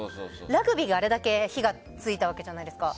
ラグビーがあれだけ火がついたわけじゃないですか。